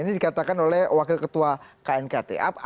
ini dikatakan oleh wakil ketua knkt